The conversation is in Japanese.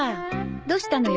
どうしたのよ？